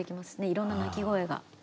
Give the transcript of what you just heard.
いろんな鳴き声が。